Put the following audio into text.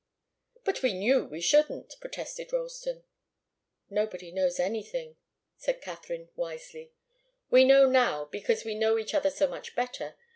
"But we knew we shouldn't," protested Ralston. "Nobody knows anything," said Katharine, wisely. "We know now, because we know each other so much better.